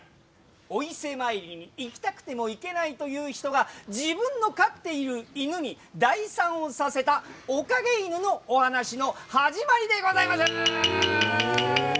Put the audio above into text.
お伊勢参りに行きたくても行けないという人が自分の飼っている犬に代参をさせたおかげ犬のお話の始まり始まり！